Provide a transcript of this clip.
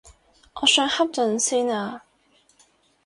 我想瞌陣先啊